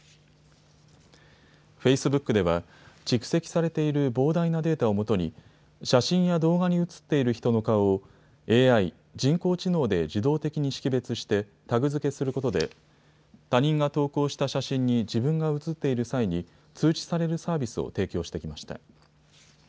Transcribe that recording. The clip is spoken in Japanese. フェイスブックでは蓄積されている膨大なデータを基に写真や動画に写っている人の顔をＡＩ・人工知能で自動的に識別してタグ付けすることで他人が投稿した写真に自分が写っている際に通知されるサービスを提供してきました。